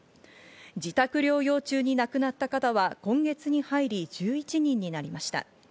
自宅療養中に亡くなった方は今月に入り１１人になりました。